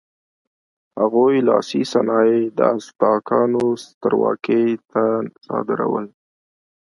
هغوی لاسي صنایع د ازتکانو سترواکۍ ته صادرول.